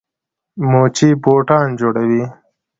موچي بوټان جوړوي.